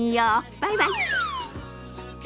バイバイ。